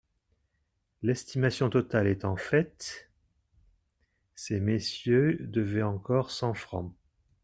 L'estimation totale étant faite, ces messieurs devaient encore cent francs.